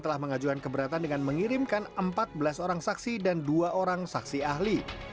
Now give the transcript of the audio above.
telah mengajukan keberatan dengan mengirimkan empat belas orang saksi dan dua orang saksi ahli